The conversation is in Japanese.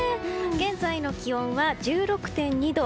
現在の気温は１６．２度。